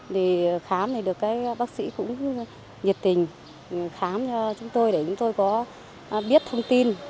thì khám thì được cái bác sĩ cũng nhiệt tình khám cho chúng tôi để chúng tôi có biết thông tin